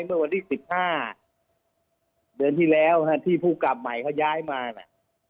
เมื่อวันที่๑๕เดือนที่แล้วที่ผู้กลับใหม่เขาย้ายมาน่ะ